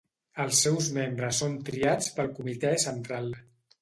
Els seus membres són triats pel Comitè Central.